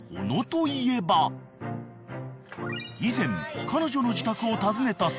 ［以前彼女の自宅を訪ねた際］